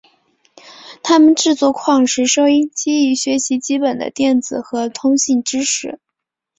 他们制作矿石收音机以学习基本的电子和通信知识。